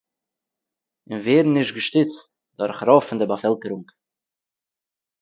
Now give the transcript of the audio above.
און ווערן נישט געשטיצט דורך רוב פון דער באַפעלקערונג